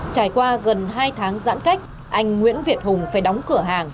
trải qua gần hai tháng giãn cách anh nguyễn việt hùng phải đóng cửa hàng